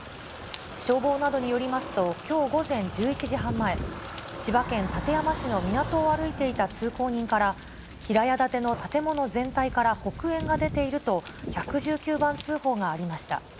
消防などによりますと、きょう午前１１時半前、千葉県館山市の港を歩いていた通行人から、平屋建ての建物全体から黒煙が出ていると、１１９番通報がありました。